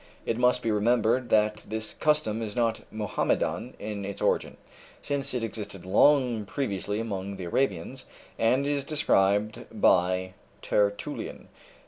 It must be remembered that this custom is not Mohammedan in its origin, since it existed long previously among the Arabians, and is described by Tertullian.